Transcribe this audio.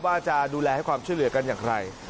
ว่าจะดูแลให้ความช่วยเหลือกันอย่างไร